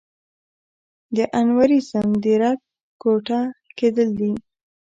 د انوریزم د رګ ګوټه کېدل دي.